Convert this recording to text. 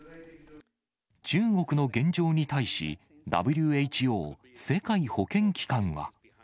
中国の現状に対し、ＷＨＯ・世界保健機関は。